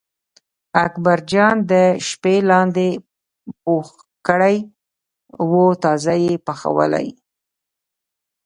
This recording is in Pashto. اکبرجان د شپې لاندی پوخ کړی و تازه یې پخولی.